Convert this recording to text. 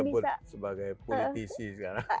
disebut sebagai politisi sekarang